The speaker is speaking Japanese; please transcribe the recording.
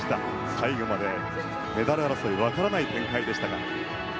最後までメダル争いが分からない展開でした。